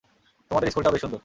তোমাদের স্কুলটাও বেশ সুন্দর!